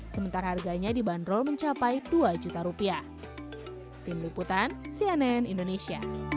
sementara harganya dibanderol mencapai dua juta rupiah